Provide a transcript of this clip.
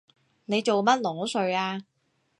你做乜裸睡啊？